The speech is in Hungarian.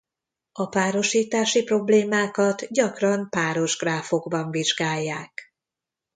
A párosítási problémákat gyakran páros gráfokban vizsgálják.